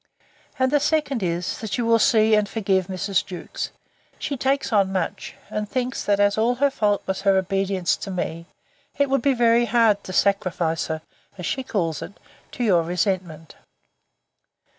And the second is, That you will see and forgive Mrs. Jewkes: she takes on much, and thinks that, as all her fault was her obedience to me, it would be very hard to sacrifice her, as she calls it, to your resentment.